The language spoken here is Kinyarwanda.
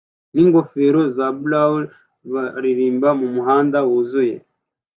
ningofero za bowler baririmbira mumuhanda wuzuye